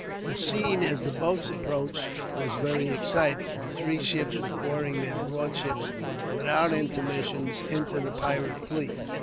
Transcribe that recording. The scene, as the boats approached, was very exciting. The three ships were pouring their broadsides, without intermission, into the pirate fleet.